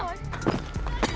ui đổ hết